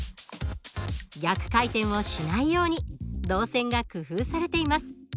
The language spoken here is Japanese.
逆回転をしないように導線が工夫されています。